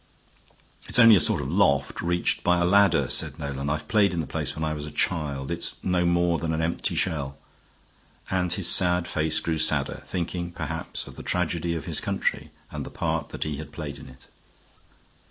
"It's only a sort of loft, reached by a ladder, said Nolan. "I've played in the place when I was a child. It's no more than an empty shell." And his sad face grew sadder, thinking perhaps of the tragedy of his country and the part that he played in it.